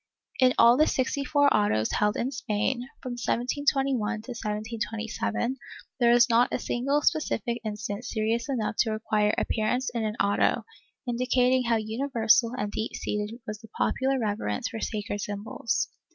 In all the sixty four autos held in Spain, from 1721 to 1727, there is not a single specific instance serious enough to require appearance in an auto, indicating how universal and deep seated was the popular reverence for sacred symbols.